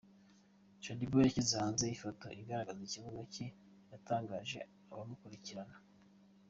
Shaddy Boo washyize hanze ifoto igaragaza ikibuno cye yatangaje abamukurikirana.